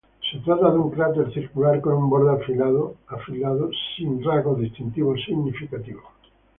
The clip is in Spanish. Se trata de un cráter circular con un borde afilado sin rasgos distintivos significativos.